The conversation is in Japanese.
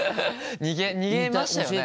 逃げましたよね？